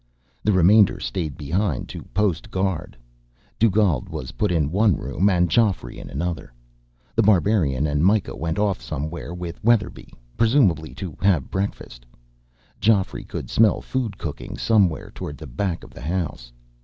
The remainder stayed behind to post guard. Dugald was put in one room, and Geoffrey in another. The Barbarian and Myka went off somewhere with Weatherby presumably to have breakfast. Geoffrey could smell food cooking, somewhere toward the back of the house.